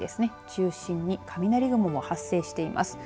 中心に雷雲も発生しています。